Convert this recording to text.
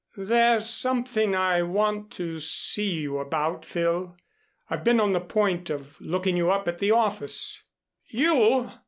"There's something I want to see you about, Phil. I've been on the point of looking you up at the office." "You!